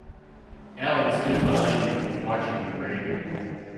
Allan stood behind him watching him gravely.